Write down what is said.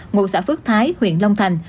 ngụ xã phước thái huyện long thành